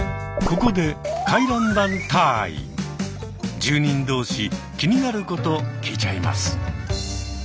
ここで住人同士気になること聞いちゃいます。